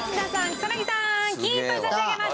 草薙さん金一封差し上げます。